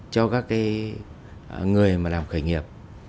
cho các người làm khởi nghiệp